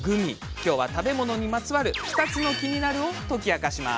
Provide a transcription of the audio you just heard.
今日は食べ物にまつわる２つのキニナルを解き明かします。